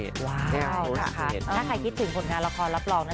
เจ้าจ๊ะมาเล่นกันใหญ่จังน่ะ